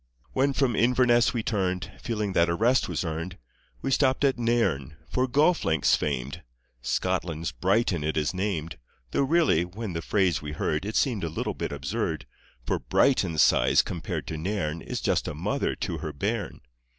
When from Inverness we turned, Feeling that a rest was earned. We stopped at Nairn, for golf links famed, "Scotland's Brighton" it is named, Though really, when the phrase we heard, It seemed a little bit absurd, For Brighton's size compared to Nairn Is just a mother to her bairn.